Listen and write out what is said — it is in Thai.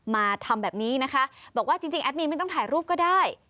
มาทำแบบนี้นะคะบอกว่าจริงแอดมินไม่ต้องถ่ายรูปก็ได้